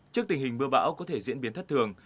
trước tình hình mưa bão có thể diễn biến thất thường